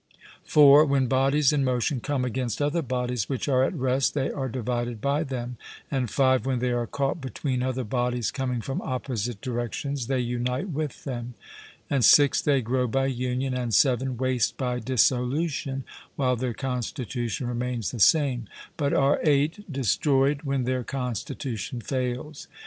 (4) When bodies in motion come against other bodies which are at rest, they are divided by them, and (5) when they are caught between other bodies coming from opposite directions they unite with them; and (6) they grow by union and (7) waste by dissolution while their constitution remains the same, but are (8) destroyed when their constitution fails.